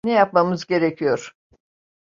Ne yapmamız gerekiyor?